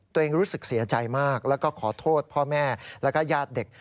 รู้สึกเสียใจมากแล้วก็ขอโทษพ่อแม่แล้วก็ญาติเด็ก